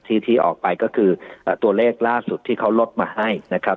ที่ที่ออกไปก็คือตัวเลขล่าสุดที่เขาลดมาให้นะครับ